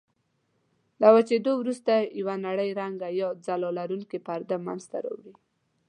له وچېدلو وروسته یوه نرۍ رنګه یا ځلا لرونکې پرده منځته راوړي.